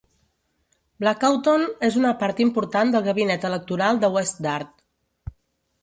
"Blackawton" és una part important del gabinet electoral del West Dart.